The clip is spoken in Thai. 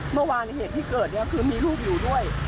เมื่อวานเหตุที่เกิดเนี่ยคือมีลูกอยู่ด้วย